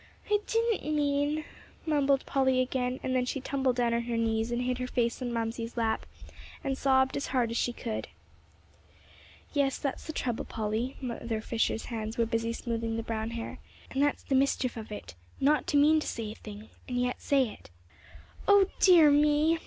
"I didn't mean " mumbled Polly again, and then she tumbled down on her knees and hid her face on Mamsie's lap, and sobbed as hard as she could. "Yes, that's the trouble, Polly," Mother Fisher's hands were busy smoothing the brown hair; "you didn't mean to, but you said it just the same; and that's the mischief of it, not to mean to say a thing, and yet say it." "O dear me!"